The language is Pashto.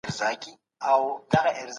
لمرشانه